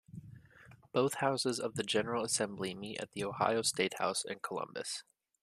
Both houses of the General Assembly meet at the Ohio Statehouse in Columbus.